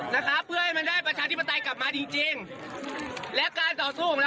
นะครับเพื่อให้มันได้ประชาธิปไตยกลับมาจริงจริงและการต่อสู้ของเรา